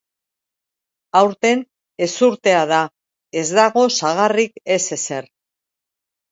Aurten ezurtea da, ez dago sagarrik, ez ezer.